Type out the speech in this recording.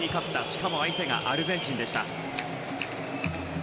しかも相手がアルゼンチンでした。